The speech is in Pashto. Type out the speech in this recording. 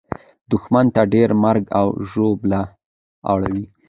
دښمن ته ډېره مرګ او ژوبله اوړي.